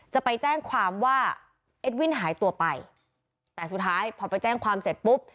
จะไปแจ้งความว่าเอ็ดวินหายตัวไปแต่สุดท้ายพอไปแจ้งความเสร็จปุ๊บ